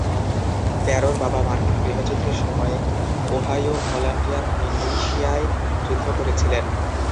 ব্যারোর বাবা মার্কিন গৃহযুদ্ধের সময় ওহাইও ভলান্টিয়ার মিলিশিয়ায় যুদ্ধ করেছিলেন।